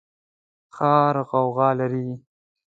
ښار غوغا لري